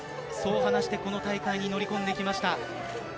そう話してこの大会に乗り込んできました。